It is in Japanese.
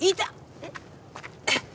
えっ？